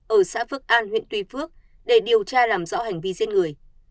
ở xã phước an huyện tuy phước để điều tra làm rõ hành vi giết người